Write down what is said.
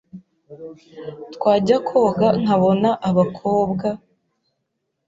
twajya koga nkabona abakobwa